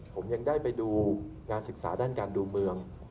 ผมยังได้ไปดูการศึกษาด้านการดูเมือง